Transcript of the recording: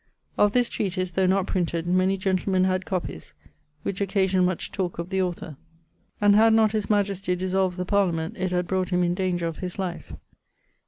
Of this treatise, though not printed, many gentlemen had copies, which occasioned much talke of the author; and had not his majestie dissolved the parliament, it had brought him in danger of his life.'